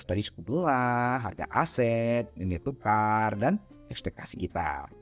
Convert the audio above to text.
dari suku belah harga aset nilai tukar dan ekspektasi kita